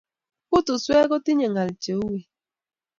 Kutuswek kotinye ng'al che uen.